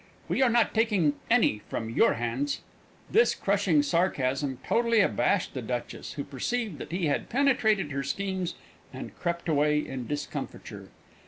"We are not taking any from your hands." This crushing sarcasm totally abashed the Duchess, who perceived that he had penetrated her schemes and crept away in discomfiture.